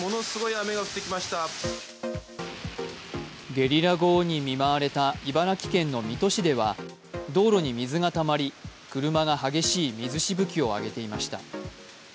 ゲリラ豪雨に見舞われた茨城県の水戸市では道路に水がたまり車が激しい水しぶきを上げていました。